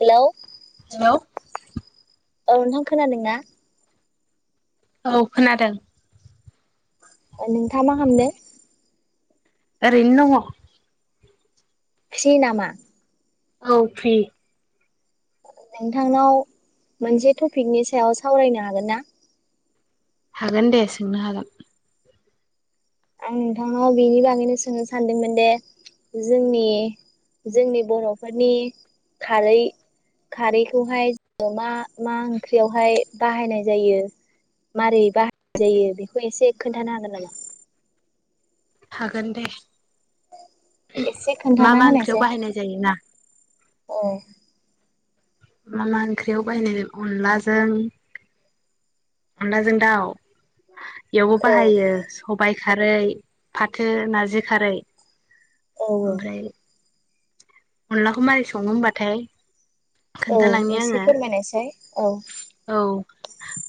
Hello hello औ नोंथां खोनादोंना? औ खोनादों। नोंथाङा मा खालामदों? ओरैनो दङ। फ्रि नामा? औ फ्रि। नोंथांनाव मोनसे टपिकनि सायाव सावरायनो हागोन ना? हागोन दे सोंनो हागोन। आं नोंथांनाव बिनि बागैनो सोंनो सानदोंमोन दे जोंनि जोंनि बर'फोरनि खारै-खारैखौहाय मा मा ओंख्रियावहाय बाहायनाय जायो मारै बाहायनाय जायो बेखौ एसे खोन्थानो हागोन नामा? हागोन दे। एसे मा मा खोन्थाना ओंख्रियाव बाहायनाय जायोना। अ मा मा ओंख्रियाव बायनाय अनलाजों अनलाजों दाउ बेयावबो औ बाहायो सबाय खारै फाथो नारजि खारै औ ओमफ्राय अनलाखौ मारै सावनो होनबाथाय? औ एसे फोरमायनायसै औ।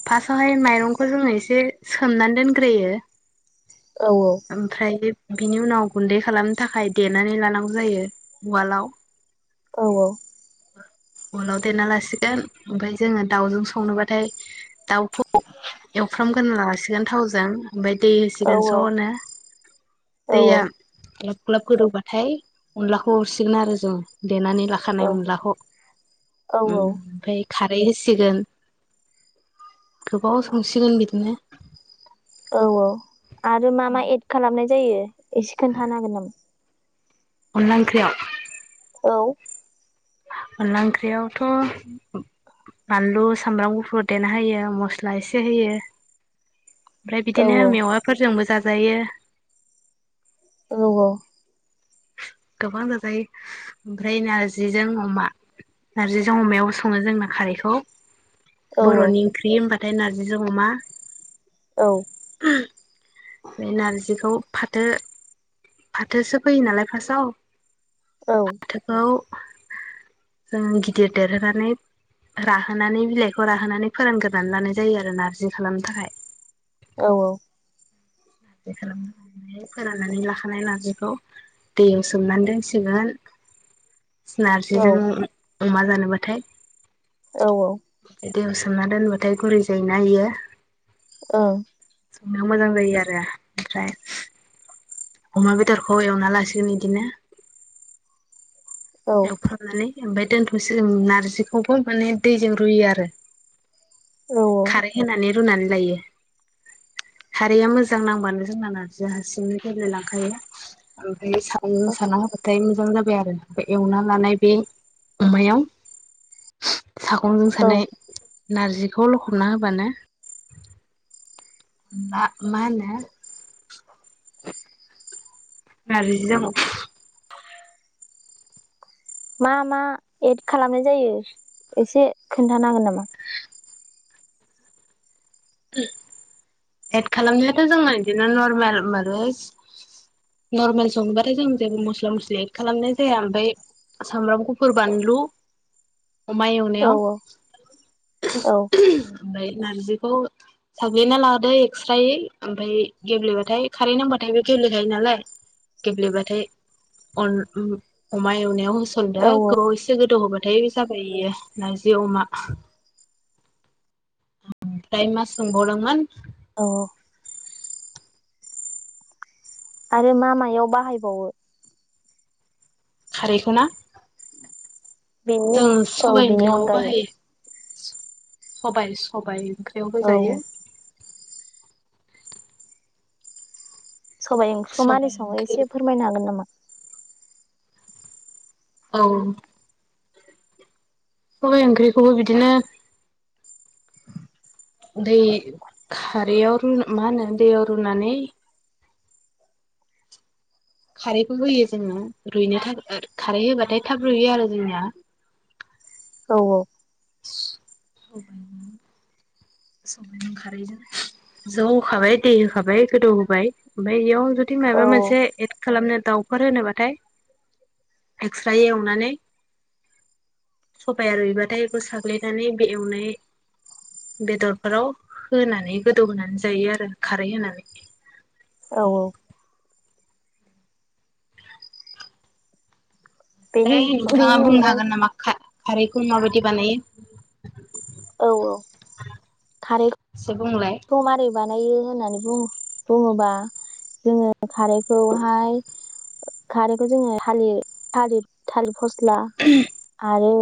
फासावहाय माइरंखौ जोंङो एसे सोमनानै दोनग्रोयो। औ ओमफ्राय बेब बिनि उनाव गुन्दै खालामनो थाखाय देनानै लानांगौ जायो उवालाव। औ औ। उवालाव देरना लासिगोन ओमफाय जोङो दाउजों संनोबाथाय दाउखौ एवफ्रामगोन लासिगोन थावजों ओमफ्राय दै होसिगोन स'नो औ औ दैया ग्लब गोदौबाथाय अनलाखौ हरसिगोन आरो जों देनानै लाखानाय औ अनलाखौ औ ओम ओमफ्राय खारै होसिगोन। [unintelligible] औ औ। आरो मा मा एड खालामनाय जायो एसे खोन्थानो हागोन नामा? अनलाख्रियाव? औ अनला ओंख्रियावथ' बानलु सामब्राम गुफुर देना होयो मस्ला एसे होयो। ओमफ्राय औ बिदिनो मेवाफोरजोंबो ज जायो। औ औ गोबां जाजायो ओमफ्राय नार्जिजों अमा नार्जिजों अमायावबो सङो जोंना खारैखौ औ बर'नि ओं क्रि बाथ नाथाय नार्जिजों अमा औ बे नारजिखौ फाथो फाथोसो फैयो नालाय फार्स्टआव [inaudible] फाथोखौ जों गिदिर देरहोनानै राहोनानै बिलाइखौ राहोनानै फोरानग्रोनानै लानाय जायो आरो नारजि खालामनो थाखाय। औ औ। [unintelligible] खालाम फोराननानै लाखानाय नारजिखौ दैयाव सोमनानै दोनसिगोन नार्जाजों अम अमा जानोबाथाय औ औ। दैयाव सोमना दोनबाथाय गुरै जायैनो इयो औ सोंनायाव मोजां जायो आरो [unintelligible] ओमफ्राय अमा बेदरखौ एवना लासिगोन बिदिनो ऐवफ्रामनानै ओमफ्राय दोनथ'सै नारजिखौबो माने दैजों रुयो आरो औ औ खारै होनानै। रुनानै लायो खारैया मोजां नांबानो जोंना नार्जिया हारसिंनि गेब्ले लांखायो। [unintelligible] सानना होबाथाय मोजां जाबाय आरो ओमफ्राय एवना ललाय बे अमायाव सागंजों औ सानाय नारजिखौ लखबना होबानो मा माहोनो [inaudible] नारजिजों मा मा एड खालामनाय जायो एसे खोन्थानो हागोन नामा? उ एद खालामनायाथ' जोंङो बिदिनो नर्मेल [unintelligible] नर्मेल सङोबाथाय जों जेबो मस्ला मस्लि एद खालामनाय जाया ओमफ्राय सामब्राम गुफुर बानलु अमा औ एवनायाव औ ओमफ्राय नारजिखौ साग्लिना ला दै एक्स्रायै ओमफ्राय गेब्लेबाथाय खारै नांबाथाय बे गेब्लेखायो नालाय गेब्लेबाथाय अन उम अमा एवनायाव होस सनदो औ गोबाव एसे गोद थ होबाथाय जाबाय इयो नारजि अमा। दायो मा सोंबावदोंमोन अ आरो मा मायाव बाहायबावो? खारैखौना? बिनु औ बिनि अनगायै सबाय सबाय ओंख्रियाव औ होजायो। औ सबाइ ओंख्रिखौ मारै सबाइ संङो ओंख्रि एसे फोरमायनो हागोन नामा? औ सबाइ ओंख्रिखौबो बिदिनो दै खारियाव रु मा होनो दैयाव रुनानै खारैखौ होयो जोङो रुइनो थाखाय खारै होबाथाय थाब रुयो आरो जोंनिया औ औ स सबाया ज' होखाबाय दै होखाबाय गोदौ होबाय ओमफ्राय एयाव जुदि औ माबा औ मोनसे एद खालामनो दाउफोर होनोबाथाय एकस्रा एवनानै सबाया रुइबाथाय बेखौ साग्ललिनानै बे एवनाय बेदरफोराव होनानै गोदौ होनानै जायो आरो खारै होनानै। औ औ बेनि दायो नोंथाङा बेनि बुंनो अनगायै हागोन नामा खा खारैखौ माबायदि बानायो? औ औ खारै एसे बुंलाय खौ मारै बानायो होनानै बुं बुङोबा जोंङो खारैखौहाय खारैखौ जोंङो हालि थाथिर थालिर फस्ला आरो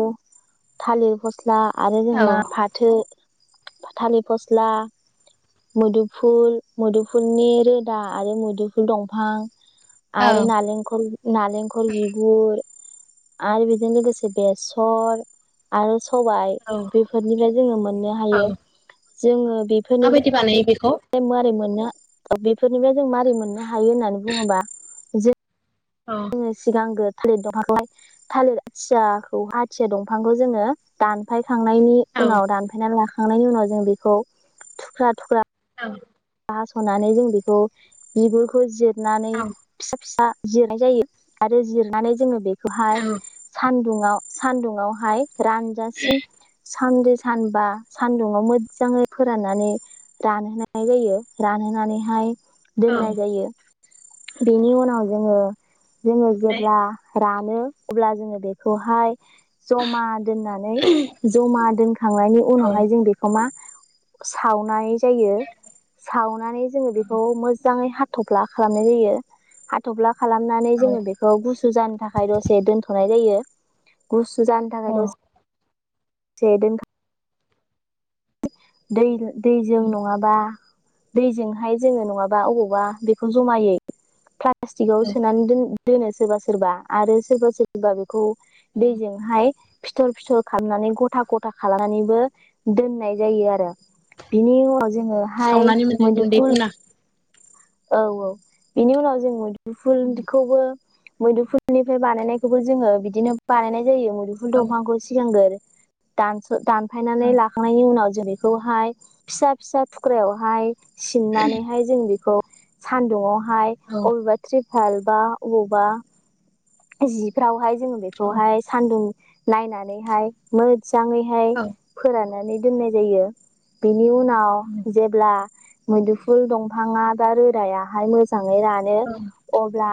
थालिर फस्ल ला आरो औ जोंमा फाथो थालि फस्ला मुदुफुल मुदुफुलनि रोदा आरो मुदुफुल दंफां औ आरो नारेंखल नारेंखल बेगुर आरो बिदिनो लोगोसे बेसर आरो सबाइ औ बेफोरनिफ्राय जोङो मोननो हायो जोङो बे माबादि बानायो बेखौ [unintelligible] मोननो बेफोरनिफाय जों मारै मोननो हायो होननानै बुङोबा जे औ जोङो सिगांगोन थालिर दंफांखौहाय थालिर आथियाखौ आथिया दंफांखौ जोङो दानफाय थांनायनि औ उनाव दानफाना ला खांनायनि उनाव जों बेखौ थुख्रा थुख्रा औ। हास'नानै जों बेखौ बिगुरखौ जे नानै औ फिसा फिसा जिरनाय जायो आरो जिरनानै जोङो बे बेखौहाय औ सान सान्दुंङाव सान्दुुंयावहाय रानजासिम सान्द सानबा सानदुङाव मोजाङै फोराननानै रानहोनाय नाय जायो रानहोनानैहाय औ दोननाय जायो । बेनि उनाव जोङो जोङो ओमफ्राय जेब्ला रां मोनो अब्ला जोङो बेखौहाय जमा दोननानै जमा दोनखांनायनि औ उनावहाय जों बेखौ मा सावनाय जायो। सावनानै जोङो बेखौ मोजाङै हा हाथफ्ला खालामनाय जायो हाथफ्ला खालामनानै औ जोङो बेखौ गुसु जानो थाखाय दसे दोनथ'नाय जायो। गुस जानो थाखाय औ दसे [unintelligible] दै दैजों नङाबा दैजोंहाय जोङो नङाबा अबावबा बेखौ जमायै प्लास्टिकाव सोनानै दोन दोनो सोरबा सोरबा आरो सोरबा सोरबा बेखौ खौ दैजोंहाय फिथर फिथर खालामनानै गथा गथा खालामनानैबो दोननाय जायो आरो बिनि उनाव जोङोहाय सावनानै मोननाय मैदफुल गुन्दैखौना औ औ बिनि उनाव जों गफुरदिखौबो मैदुफुलनिफ्राय बानायनायखौबो जोङो बिदिनो बानायनाय जायो मुदुफुल औ दंफांखौ सिगांगोर दांनस दानफायनानै लाखांनायनि उनाव जों बेखौहाय फिसा फिसा थुख्रायावहाय सिननानैहाय जों बिखौ सानदुङाव हाय औ अबेबा थ्रित फालबा बबावबा जिफ्रावहाय जोङो औ बेखौहाय सान्दुं नायनानैहाय मो मोजाङैहाय फोरानो नानै दोन्नाय जायो बे निउनाव जेब्ला मैदुफुल दंफाङा बा रोदायाहाय मोज मोजाङै रानो अब्ला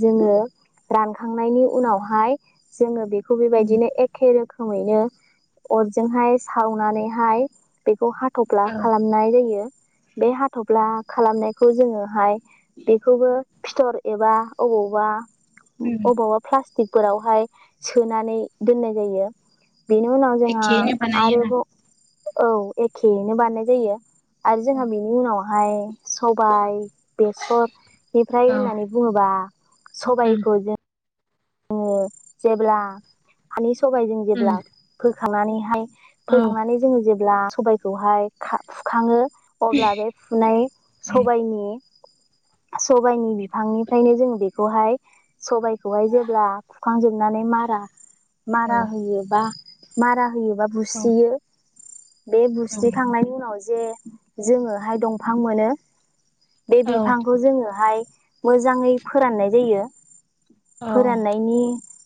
जोङो रानखांनायनि उनावहाय जोङो बे खौ बेबायदिनो एखे रो खोमैनो अरजोंहाय सावनानैहाय बेखौ हा थफ्ला खालामनाय जायो बे हाथ'फला खालामनाय खौ जोङोहाय बेखौबो फिथर एबा अबावबा अबावबा फ्लासटिक फोरावहाय सोनानै दोननाय जायो बेनि उनाव जोंहा एखेयैनो बानायोना आरोबाव औ एखेयैनो बानायनाय जायो। आरो जोंहा बिनि उनाव हाय। सबाइ। बेसरनिफ्राय औ होननानै बुङोबा उम सबाइखौ जों। जोङो जेब्ला [unintelligible] सबाइजों जेब्ला उम फो खांनानै हाय। औ फोखांनानै जोङो जे ब्ला सबाइखौहाय खा फुखाङो। अब्ला बे फुनाय औ सबाइनि। सबाइनि बिफांनिफ्रायनो जों बेखौहाय सबाइखौहाय जों बा खुखांजोबनानै मारा मारा होयोबा मारा होयो। बा औ बुस्रियो। बे औ बुस्रिखांनायनि उनाव जे। जोङोहाय दंफां मोनो। बे औ बिफांखौ जोङोहाय। मोजाङै फोराननाय जायो‌। औ फोराननायनि।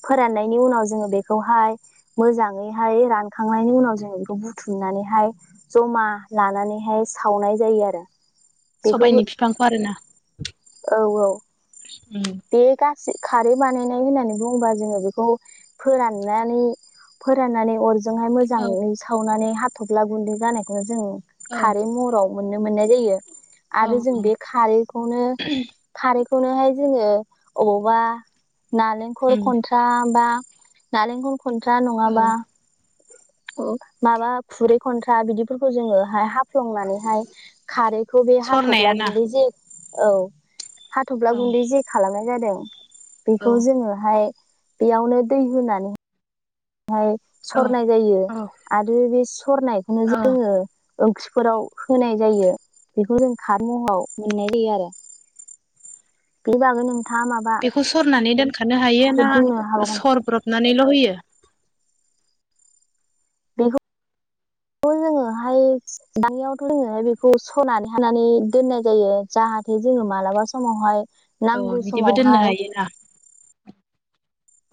फोराननायनि उनाव जोङो बेखौहाय मोजाङैहाय रानखांनायनि उनाव जोङो बेखौ बुथुमनानैहाय जमा लानानैहाय सावनाय जायो आरो। बेखौबो सबाइनि बिफांखौ आरोना। औ औ। बे गा खारै बानायनाय होननानै बुङोबा जोङो बेखौ फोराननानै फोराननानै अर जोंहाय औ मोजांयै सावनानै हा थ'फ्ला गुन्दै जानायखौनो जोङो। औ खारै महराव मोननो मोननाय जायो। औ आरो जों बे खारैखौनो खारै खौनोहाय जोङो अबावबा नालेंखर उम खनथ्रा बा नालेंखौ खन्थ्रा औ नङाबा औ । माबा खुरै खथ्रा बिदि फोरखौ जोङो हाफ्लंनानैहाय खारै खौ बे हाथग्ला सरनायाना गुन्दै जे औ । हाथफ्ला औ गुन्दै जे लानाय जादों औ बेखौ जोङोहाय बेयावनो दै होनानै हाय औ सरनाय जायो औ आरो बे सरनायखौनो औ जोङो। ओंख्रिफोराव होनाय जायो बेखौ जों खारै महराव मोननाय जायो आरो बे बागैनो बेखौ सरनानै दोन खानो हायो ना बुंनो हाबावगोन सरब्रबनानैल' होयो? [unintelligible] बेखौ जोङोहाय दानियावथ' जोङो बेखौ सरनानै हानानै दोननाय जायो जाहाथे जोङो मालाबा समावहाय औ नांगौ बिदिबो दोननो समावहाय हायोना?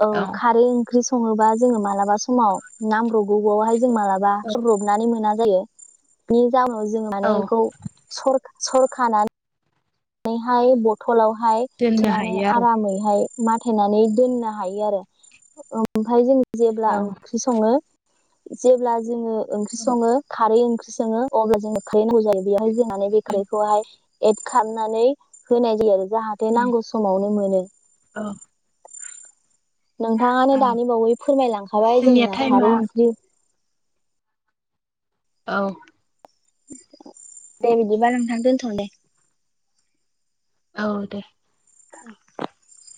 औ खारै ओंख्रि सङोबा जोङो मालाबा समाव नांब्रगौ हाय जों मालाबा औ सरब्रबनानै मोना जायो । बेनि जाउनाव जों औ माने बेखौ सर सरखानानै नै हाय बथ' लावहाय दोननो सोनानै हायो आरो आरामैहाय माथायनानै दोननो हायो आरो ओमफ्राय जों जेब्ला औ ओंख्रि सङो जेब्ला जोङो ओंख्रि सङो खारै ओंख्रि संङो अब्ला जोंनो खारै नांगौ जायो बेवहाय जों नानै बिख्रिखौहाय [inaudible] हाबनानै होनाय जायो आरो जाहाथे उम नांगौ समावनो मोनो औ नोंथाङानो दानि बावै फोरमायलांखाबाय जोंनिया जोंना टाइमा खारै ओंख्रि औ दे बिदिबा नोंथां दोनथ' दे औ दे [inaudible]